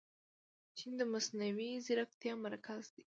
چین د مصنوعي ځیرکتیا مرکز دی.